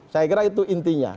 saya kira itu intinya